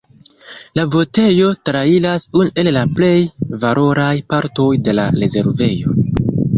La vojeto trairas unu el la plej valoraj partoj de la rezervejo.